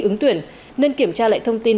ứng tuyển nên kiểm tra lại thông tin